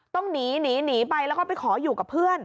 ต้องหนีหนีไปแล้วก็ไปขออยู่กับเพื่อน